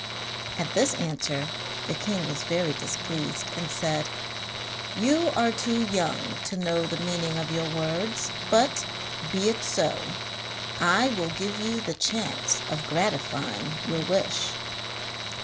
At this answer the king was very displeased, and said: 'You are too young to know the meaning of your words. But, be it so; I will give you the chance of gratifying your wish.'